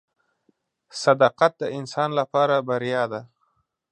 • صداقت د انسان لپاره بریا ده.